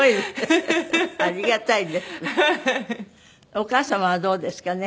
お母様はどうですかね？